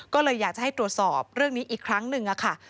ก็เลยอยากจะให้ตรวจสอบเรื่องนี้อีกครั้งหนึ่งค่ะ